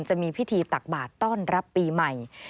จะมีพิธีตักบาทต้อนรับปีใหม่